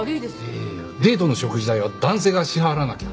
いやいやデートの食事代は男性が支払わなきゃ。